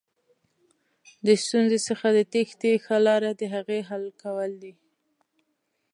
د ستونزې څخه د تېښتې ښه لاره دهغې حل کول دي.